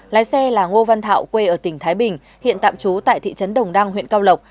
lái xe là ngô văn thọ quê ở tỉnh thái bình hiện tạm trú tại thị trấn đồng đăng huyện cao lộc